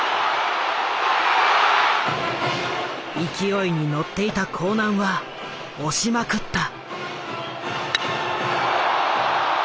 勢いに乗っていた興南は押しまくった。